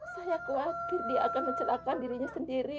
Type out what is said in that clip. saya khawatir dia akan mencelakan dirinya sendiri